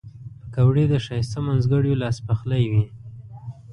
پکورې د ښایسته مینځګړیو لاس پخلي وي